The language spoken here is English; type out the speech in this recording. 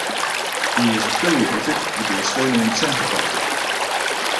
He is affiliated with the Estonian Centre Party.